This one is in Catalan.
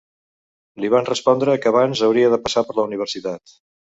Li van respondre que abans hauria de passar per la universitat.